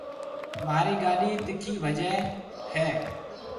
مهارِي گاڏِي تکِي ڀجي هيَ۔